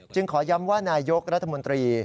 ขอย้ำว่านายกรัฐมนตรี